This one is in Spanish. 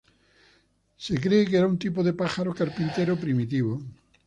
Se cree que era un tipo de pájaro carpintero primitivo.